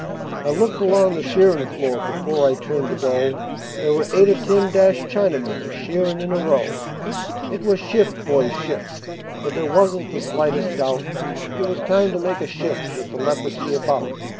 I looked along the shearin' floor before I turned to go There were eight or ten dashed Chinamen a shearin' in a row. It was shift, boys, shift, for there wasn't the slightest doubt It was time to make a shift with the leprosy about.